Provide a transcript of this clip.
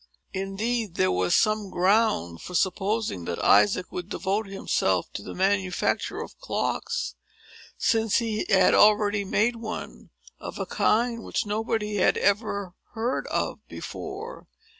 Indeed, there was some ground for supposing that Isaac would devote himself to the manufacture of clocks; since he had already made one, of a kind which nobody had ever heard of before.